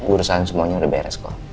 urusan semuanya udah beres kok